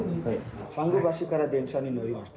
参宮橋から電車に乗りました。